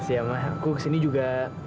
makasih ya aku kesini juga